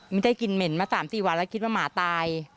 ไม่ได้กินเหม็นมา๓๔วันแล้วคิดว่าหมาตาย